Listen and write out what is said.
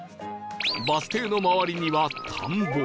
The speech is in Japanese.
バス停の周りには田んぼ